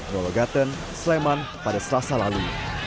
rolo gaten sleman pada selasa lalu